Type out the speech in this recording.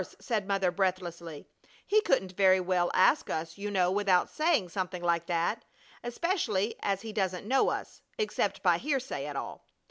said Mother, breathlessly. "He couldn't very well ask us, you know, without saying something like that, especially as he doesn't know us, except by hearsay, at all."